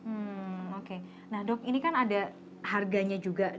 hmm oke nah dok ini kan ada harganya juga